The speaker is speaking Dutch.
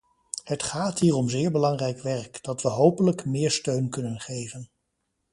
Het gaat hier om zeer belangrijk werk, dat we hopelijk meer steun kunnen geven.